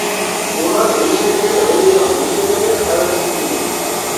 ئۇلار ھېچنېمىدىن غېمى يوق، ھېچنېمىدىن خەۋەرسىز ئىدى.